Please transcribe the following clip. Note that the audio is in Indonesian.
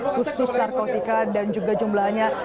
khusus narkotika dan juga jumlahnya